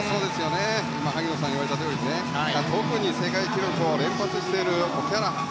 萩野さんが言われたとおり特に世界記録を連発しているオキャラハン。